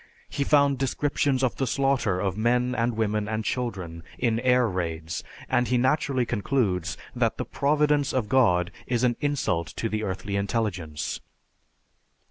He found descriptions of the slaughter of men and women and children in air raids, and he naturally concludes that the "providence of God" is an insult to the earthly intelligence.